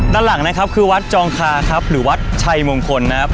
ด้านหลังนะครับคือวัดจองคาครับหรือวัดชัยมงคลนะครับ